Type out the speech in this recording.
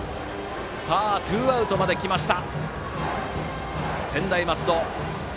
ツーアウトまで来ました専大松戸。